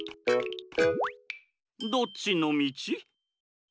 どっちのみち？